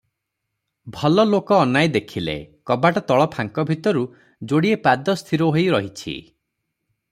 ଭଲଲୋକ ଅନାଇ ଦେଖିଲେ, କବାଟ ତଳ ଫାଙ୍କ ଭିତରକୁ ଯୋଡିଏ ପାଦ ସ୍ଥିର ହୋଇ ରହିଛି ।